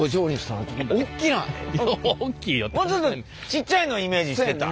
もうちょっとちっちゃいのイメージしてた。